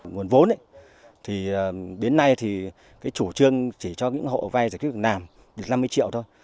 nguồn vốn thì đến nay thì cái chủ trương chỉ cho những hộ vay giải quyết việc làm được năm mươi triệu thôi